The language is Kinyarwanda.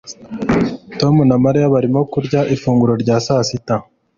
Tom na Mariya barimo kurya ifunguro rya sasita